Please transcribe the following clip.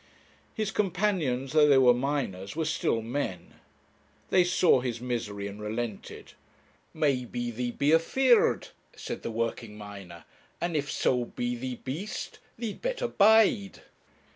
His companions, though they were miners, were still men. They saw his misery, and relented. 'Maybe thee be afeared?' said the working miner, 'and if so be thee bee'st, thee'd better bide.'